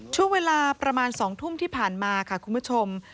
ช่วงเวลาประมาณ๒ทุ่มที่ผ่านมาค่ะคุณผู้ชม